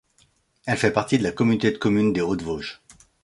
Elle fait partie de la Communauté de communes des Hautes Vosges.